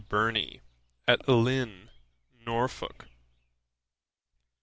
BURNEY, AT LYNNE, NORFOLK.